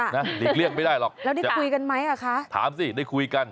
ค่ะแล้วนี่คุยกันไหมคะคะถามสิได้คุยกัน